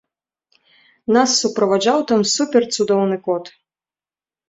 Нас суправаджаў там супер-цудоўны кот.